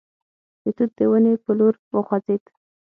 د توت د ونې په لور وخوځېد.